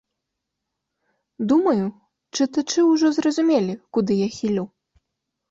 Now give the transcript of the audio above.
Думаю, чытачы ўжо зразумелі, куды я хілю.